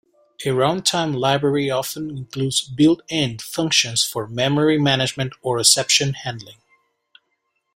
A runtime library often includes built-in functions for memory management or exception handling.